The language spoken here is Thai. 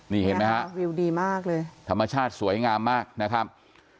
นี่เห็นไหมฮะวิวดีมากเลยธรรมชาติสวยงามมากนะครับ